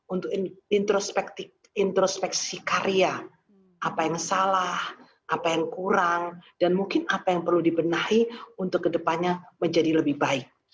untuk introspeksi karya apa yang salah apa yang kurang dan mungkin apa yang perlu dibenahi untuk kedepannya menjadi lebih baik